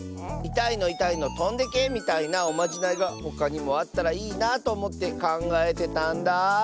「いたいのいたいのとんでけ」みたいなおまじないがほかにもあったらいいなあとおもってかんがえてたんだ。